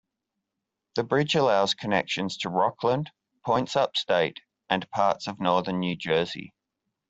The bridge allows connections to Rockland, points upstate, and parts of northern New Jersey.